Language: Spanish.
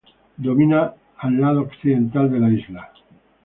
Domina el lado occidental de la isla.